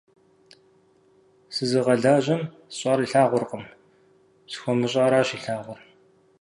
Сызыгъэлажьэм сщӏар илъагъуркъым, схуэмыщӏаращ илъагъур.